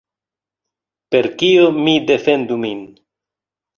Per kio mi defendu min?